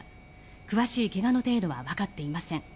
詳しい怪我の程度はわかっていません。